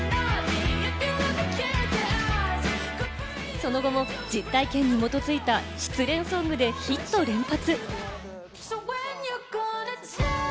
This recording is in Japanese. その後も実体験に基づいた失恋ソングでヒットを連発。